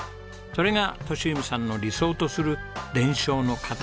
それが利文さんの理想とする伝承の形だといいます。